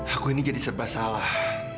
aku ini jadi serba salah